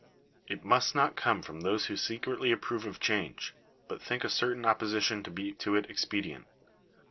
It must not come from those who secretly approve of change, but think a certain opposition to it expedient.